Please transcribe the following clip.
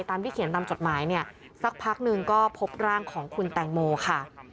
ที่เขียนตามจดหมายเนี่ยสักพักหนึ่งก็พบร่างของคุณแตงโมค่ะ